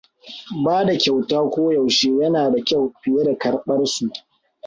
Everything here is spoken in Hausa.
Ba da kyauta koyaushe yana da kyau fiye da karɓar su.